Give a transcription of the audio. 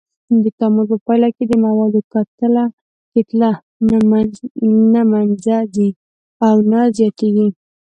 د تعامل په پایله کې د موادو کتله نه منځه ځي او نه زیاتیږي.